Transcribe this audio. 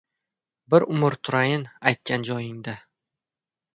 Bir umr turayin aytgan joyingda